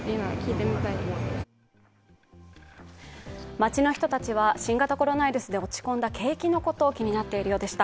街の人たちは新型コロナウイルスで落ち込んだ景気のこと、気になっているようでした。